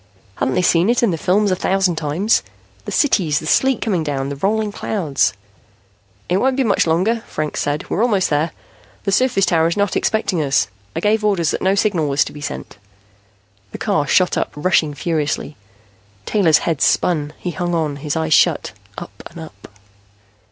Hadn't they seen it in the films a thousand times? The cities, the sleet coming down, the rolling clouds "It won't be much longer," Franks said. "We're almost there. The surface tower is not expecting us. I gave orders that no signal was to be sent." The car shot up, rushing furiously. Taylor's head spun; he hung on, his eyes shut. Up and up....